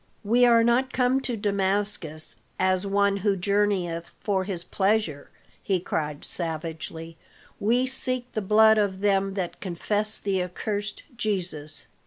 "We are not come to Damascus as one who journeyeth for his pleasure," he cried savagely; "we seek the blood of them that confess the accursed Jesus."